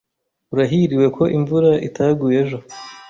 Urahiriwe ko imvura itaguye ejo.